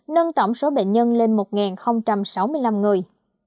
nâng tổng số bệnh nhân lên một sáu mươi năm người